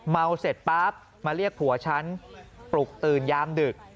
เมาเสร็จปั๊บมาเรียกผัวฉันปลุกตื่นยามดึก